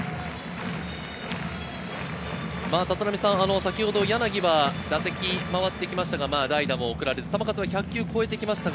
立浪さん、柳は先ほど打席が回ってきましたが、代打も送られず、球数は１００球を超えてきました。